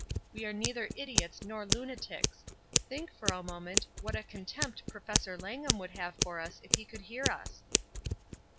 We are neither idiots nor lunatics. Think, for a moment, what a contempt Professor Langham would have for us if he could hear us."